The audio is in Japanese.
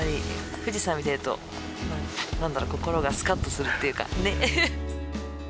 富士山見てると、なんだろう、心がすかっとするというか、ね。